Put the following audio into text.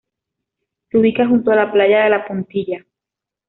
Se ubica junto a la playa de La Puntilla.